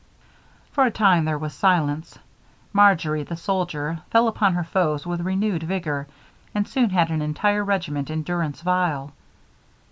For a time there was silence. Marjory, the soldier, fell upon her foes with renewed vigor, and soon had an entire regiment in durance vile.